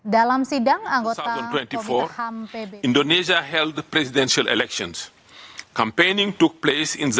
dalam sidang anggota komite ham pbb indonesia menjalankan pilihan presiden